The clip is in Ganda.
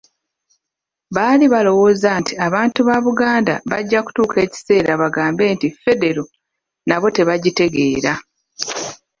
Baali balowooza nti abantu ba Buganda bajja kutuuka ekiseera bagambe nti Federo nabo tebagitegeera.